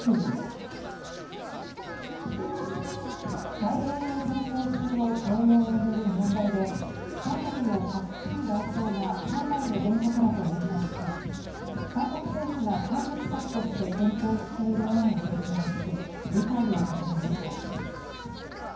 太平洋戦争中の徴用をめぐる問題で韓国のパク・チン外相が裁判の原告らと面会し韓国政府が解決策として検討している案を説明し理解を求めました。